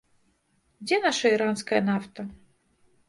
Дзе наша іранская нафта?